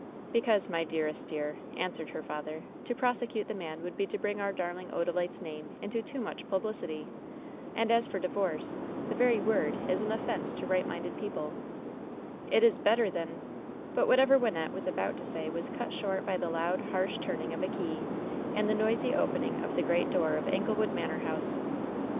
^'Because, my dearest dear," answered her father, "to prosecute the man would be to bring our darling Oda lite's name into too much publicity. And, as for LOVE'S BITTEREST CUP 288 divorce, the very word is an offense to right minded peo ple." "It is better than '' But whatever Wynnette was about to say was cut short by the loud, harsh turning of a key, and the noisy opening of the great door of Anglewood Manor House.